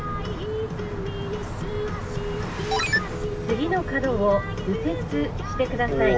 「次の角を右折してください」。